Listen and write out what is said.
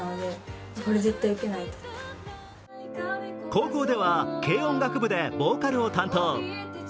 高校では軽音部でボーカルを担当。